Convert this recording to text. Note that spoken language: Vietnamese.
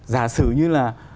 giả sử như là